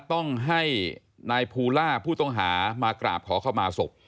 ต้องให้นายภูล่าผู้ต้องหามากราบขอเข้ามาศพ